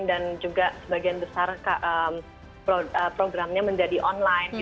dan juga sebagian besar programnya menjadi online